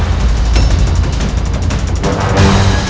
kau bisa mencari dia